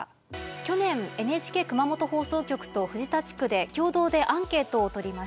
去年ＮＨＫ熊本放送局と藤田地区で共同でアンケートを取りました。